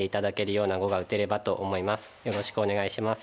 よろしくお願いします。